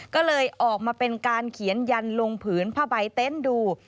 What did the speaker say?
ก็เลยออกมาเป็นการเขียนยันลงผืนผ้าใบเต็นต์ดู